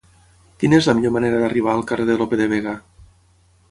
Quina és la millor manera d'arribar al carrer de Lope de Vega?